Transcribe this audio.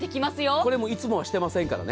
これも、いつもはしてませんからね。